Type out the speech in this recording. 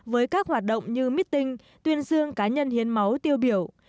với các hoạt động như meeting tuyên dương cá nhân hiến máu tiêu biểu